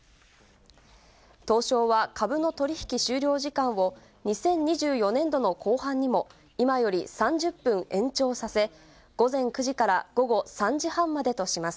東証は、株の取り引き終了時間を２０２４年度の後半にも、今より３０分延長させ、午前９時から午後３時半までとします。